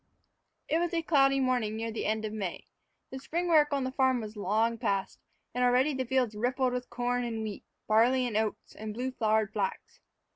It was a cloudy morning near the end of May. The spring work on the farm was long past, and already the fields rippled with corn and wheat, barley and oats, and blue flowered flax.